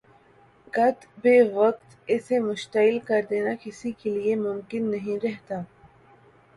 قت بے وقت اسے مشتعل کر دینا کسی کے لیے ممکن نہیں رہتا